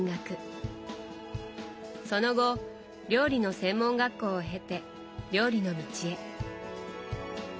その後料理の専門学校を経て料理の道へ。